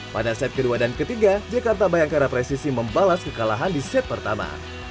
pada set kedua dan ketiga jakarta bayangkara presisi membalas kekalahan di set pertama